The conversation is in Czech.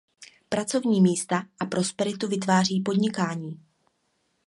Pracovní místa a prosperitu vytváří podnikání.